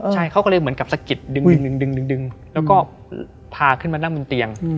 ใช่เขาก็เลยเหมือนกับสะกิดดึงแล้วก็พาขึ้นมานั่งบนเตียง